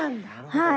はい。